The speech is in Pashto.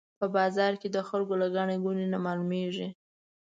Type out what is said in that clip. په بازار کې د خلکو له ګڼې ګوڼې نه معلومېږي.